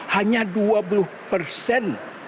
hanya dua puluh persen